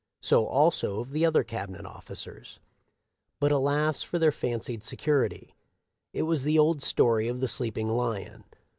So also of the other Cabinet officers ; but alas for their fancied security ! It was the old story of the sleeping lion.